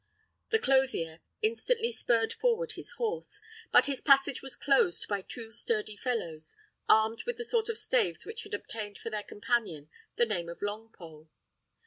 The clothier instantly spurred forward his horse; but his passage was closed by two sturdy fellows, armed with the sort of staves which had obtained for their companion the name of Longpole.